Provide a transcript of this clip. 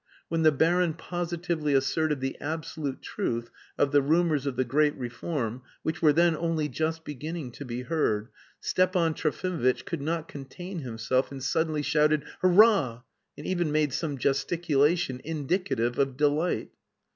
When the baron positively asserted the absolute truth of the rumours of the great reform, which were then only just beginning to be heard, Stepan Trofimovitch could not contain himself, and suddenly shouted "Hurrah!" and even made some gesticulation indicative of delight.